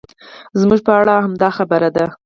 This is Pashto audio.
زموږ په اړه هم همدا خبره ده.